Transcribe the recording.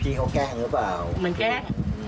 คุณบินก็พยายามให้กำลังใจชวนคุยสร้างเสียงหัวเราะค่ะ